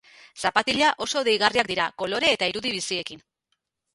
Zapatila oso deigarriak dira, kolore eta irudi biziekin.